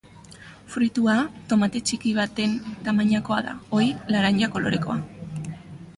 Fruitua tomate txiki baten tamainakoa da, ohi, laranja kolorekoa.